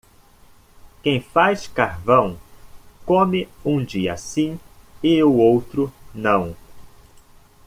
Quem faz carvão come um dia sim e o outro não.